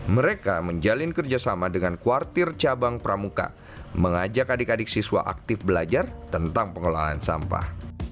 mereka menjalin kerjasama dengan kuartir cabang pramuka mengajak adik adik siswa aktif belajar tentang pengolahan sampah